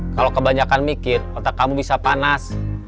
kalau kebanyakan mikir otak kamu bisa panas